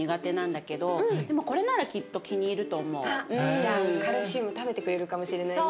じゃあカルシウム食べてくれるかもしれないね。